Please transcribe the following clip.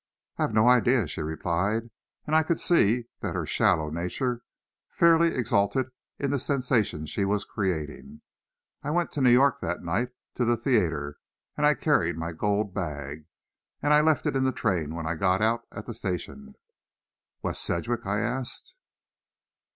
"I've no idea," she replied, and I could see that her shallow nature fairly exulted in the sensation she was creating. "I went to New York that night, to the theatre, and I carried my gold bag, and I left it in the train when I got out at the station." "West Sedgwick?" I asked.